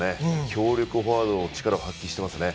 強力フォワードが力を発揮していますね。